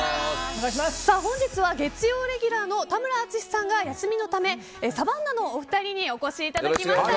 本日は月曜レギュラーの田村淳さんが休みのため、サバンナのお二人にお越しいただきました。